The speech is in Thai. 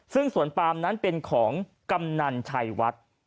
ซึ่งสวนปามนั้นเป็นของกำนันชัยวัด